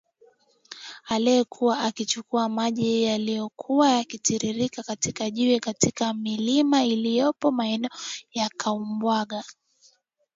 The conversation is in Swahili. alikuwa akichukua maji yaliyokuwa yakitiririka katika jiwe katika milima iliyopo maeneo ya Kaumbwaga